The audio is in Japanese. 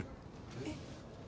えっ？